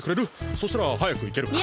そしたらはやくいけるから。